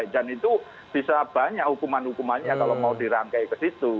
dan itu bisa banyak hukuman hukumannya kalau mau dirangkai ke situ